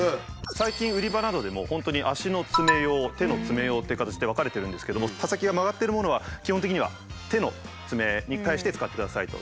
最近売り場などでも本当に足のツメ用手のツメ用っていう形で分かれてるんですけども刃先が曲がってるものは基本的には手のツメに対して使ってくださいと。